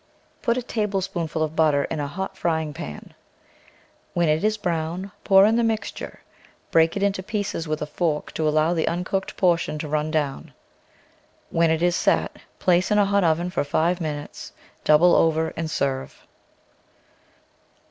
Put a tablespoonful of butter in a hot fry ing pan. When it is brown, pour in the mixture, break it in pieces with a fork to allow the uncooked portion to run down. When it is set, place in a hot oven for five minutes, double over, and serve.